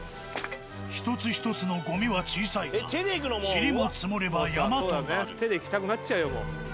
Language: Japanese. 一つ一つのゴミは小さいがちりも積もれば山となる。